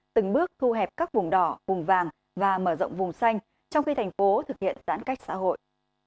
từng bước thu hẹp các vùng đỏ vùng vàng và mở rộng vùng xanh trong khi thành phố thực hiện giãn cách xã hội